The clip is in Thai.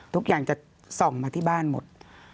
ทุกอย่างจะส่องมาที่บ้านหมด